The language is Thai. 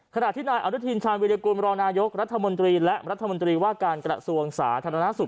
ขณะที่นายอนุทินชาญวิรากุลรองนายกรัฐมนตรีและรัฐมนตรีว่าการกระทรวงสาธารณสุข